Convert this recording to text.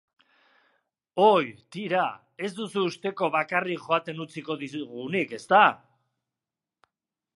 Oi, tira, ez duzu usteko bakarrik joaten utziko dizugunik, ezta?